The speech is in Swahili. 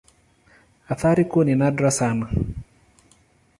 Athari kuu ni nadra sana.